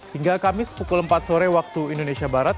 hingga kamis pukul empat sore waktu indonesia barat